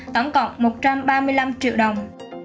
tổng cộng một trăm ba mươi năm triệu đồng